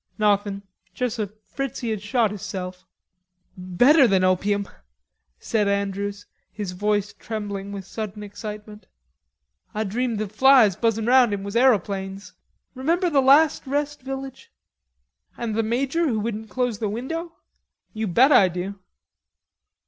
"Nawthin', juss a Fritzie had shot hisself." "Better than opium," said Andrews, his voice trembling with sudden excitement. "Ah dreamed the flies buzzin' round him was aeroplanes.... Remember the last rest village?" "And the major who wouldn't close the window? You bet I do!"